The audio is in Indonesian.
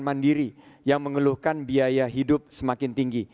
mandiri yang mengeluhkan biaya hidup semakin tinggi